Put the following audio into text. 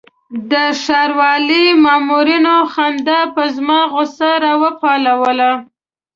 د ښاروالۍ مامورینو خندا به زما غوسه راپاروله.